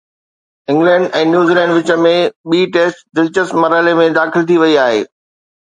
England ۽ New Zealand وچ ۾ ٻي test دلچسپ مرحلي ۾ داخل ٿي وئي آهي